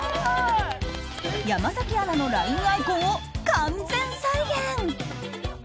山崎アナのＬＩＮＥアイコンを完全再現！